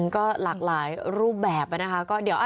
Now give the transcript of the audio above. ก็หลากหลายรูปแบบนะคะ